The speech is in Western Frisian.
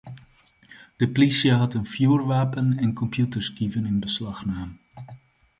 De plysje hat in fjoerwapen en kompjûterskiven yn beslach naam.